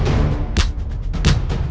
lihat itu br